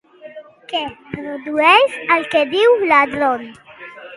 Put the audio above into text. Què produeix el que diu Iadron?